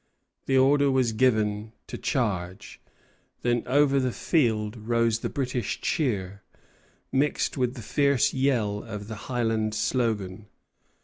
The order was given to charge. Then over the field rose the British cheer, mixed with the fierce yell of the Highland slogan.